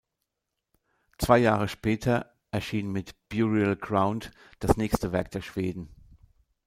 Zwei Jahre später erschien mit "Burial Ground" das nächste Werk der Schweden.